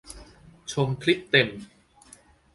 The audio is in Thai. ชมคลิปเต็ม